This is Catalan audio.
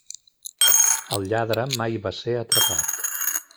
El lladre mai va ser atrapat.